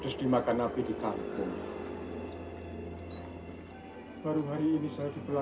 sampai jumpa di video selanjutnya